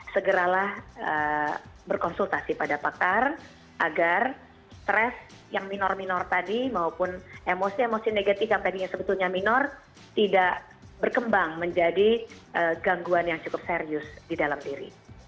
segeralah berkonsultasi pada pakar agar stres yang minor minor tadi maupun emosi emosi negatif yang tadinya sebetulnya minor tidak berkembang menjadi gangguan yang cukup serius di dalam diri